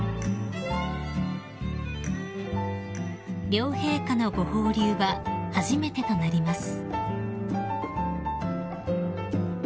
［両陛下のご放流は初めてとなります］